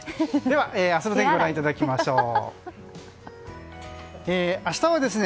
では、明日の天気をご覧いただきましょう。